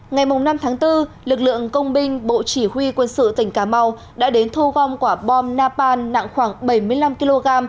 ngày năm tháng bốn lực lượng công binh bộ chỉ huy quân sự tỉnh cà mau đã đến thu gom quả bom napal nặng khoảng bảy mươi năm kg